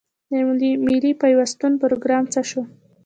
د ملي پیوستون پروګرام څه شو؟